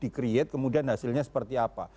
kemudian hasilnya seperti apa